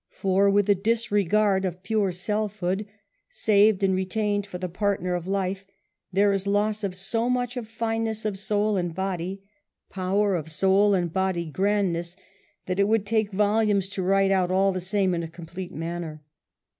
For with a disregard of pure selfhood, saved and retained for the partner of life, there is loss of so much of fineness of soul and body, power of soul and body grandness, that it would take volumes to write out all the same in a complete » manner.